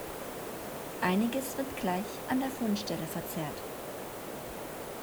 Einiges wird gleich an der Fundstelle verzehrt.